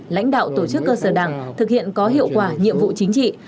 lãnh đạo tổ chức cơ sở đảng thực hiện có hiệu quả nhiệm vụ chính trị